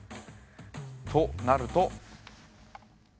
となると。